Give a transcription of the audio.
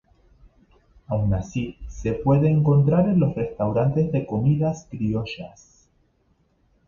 Aun así se puede encontrar en los restaurantes de comidas criollas.